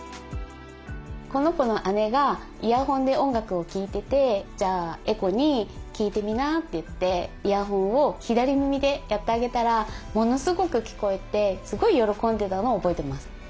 この子の姉がイヤホンで音楽を聴いててじゃあ絵心に「聴いてみな」って言ってイヤホンを左耳でやってあげたらものすごく聞こえてすごい喜んでたのを覚えてます。